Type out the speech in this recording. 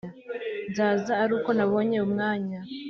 Nzaza aruko nabonye umwanya